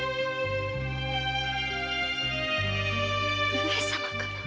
上様から！？